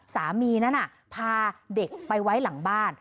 สามีนั้นพาเด็กไปไว้หลังบ้าน